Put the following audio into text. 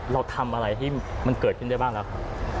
เราทำอะไรให้มันเกิดขึ้นได้บ้างแล้วครับ